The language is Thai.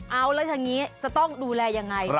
เอาแล้วอย่างนี้จะต้องดูแลยังไง